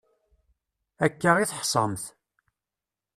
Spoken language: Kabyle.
Akka i teḥṣamt.